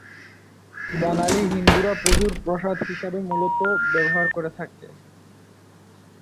বাঙালি হিন্দুরা পুজোর প্রসাদ হিসাবে মূলত ব্যবহার করে থাকে।